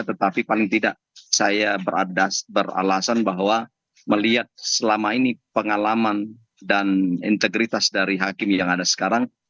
tetapi paling tidak saya beralasan bahwa melihat selama ini pengalaman dan integritas dari hakim yang ada sekarang